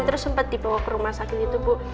terus sempat dibawa ke rumah sakit itu bu